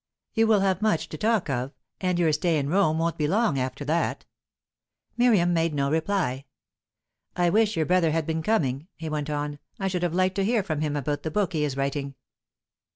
"You will have much to talk of. And your stay in Rome won't be long after that." Miriam made no reply. "I wish your brother had been coming," he went on. "I should have liked to hear from him about the book he is writing."